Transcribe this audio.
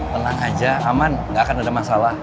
tenang aja aman nggak akan ada masalah